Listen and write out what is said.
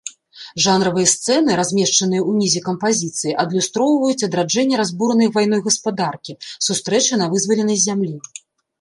Жанравыя сцэны, размешчаныя ўнізе кампазіцыі, адлюстроўваюць адраджэнне разбуранай вайной гаспадаркі, сустрэчы на вызваленай зямлі.